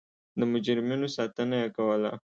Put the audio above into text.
د مجرمینو ساتنه یې کوله.